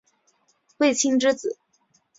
卫青之子。